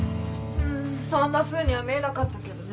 うんそんなふうには見えなかったけどね。